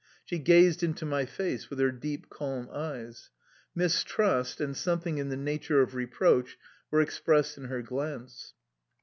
She gazed into my face with her deep, calm eyes. Mistrust and something in the nature of reproach were expressed in her glance.